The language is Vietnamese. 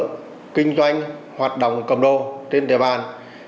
nhất là các cơ sở kinh doanh hoạt động cầm đồ trên địa bàn